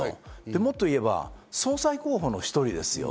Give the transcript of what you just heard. もっと言えば総裁候補の１人ですよ。